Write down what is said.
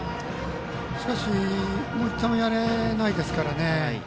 しかし１点もやれないですからね。